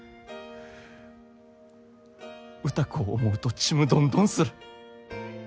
歌子を思うとちむどんどんする。